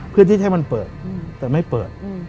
เพื่อที่ให้มันเปิดแต่ไม่เปิด